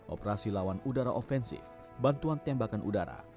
operasi lawan udara ofensif bantuan tembakan udara